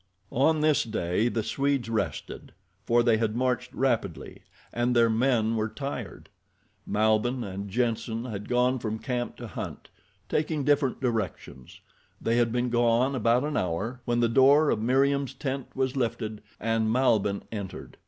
On this day the Swedes rested, for they had marched rapidly and their men were tired. Malbihn and Jenssen had gone from camp to hunt, taking different directions. They had been gone about an hour when the door of Meriem's tent was lifted and Malbihn entered.